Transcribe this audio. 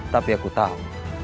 tapi aku tahu